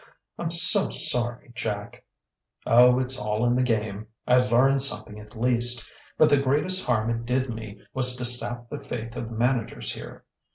"I'm so sorry, Jack!" "Oh, it's all in the game. I learned something, at least. But the greatest harm it did me was to sap the faith of managers here.